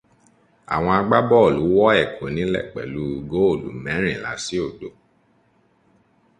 Àwọn agbábọ̀ọ̀lù wọ́ Èkó nílẹ̀ pẹ̀lú góòlù mẹ́rìnlá sí òdo.